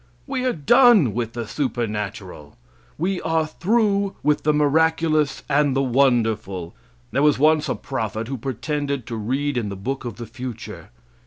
We are done with the supernatural. We are through with the miraculous and the wonderful. There was once a prophet who pretended to read in the book of the future.